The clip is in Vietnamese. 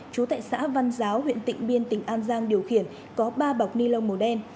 chú tại xã văn giáo huyện tịnh biên tỉnh an giang điều khiển có ba bọc ni lông màu đen